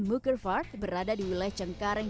muker vart berada di wilayah cengkareng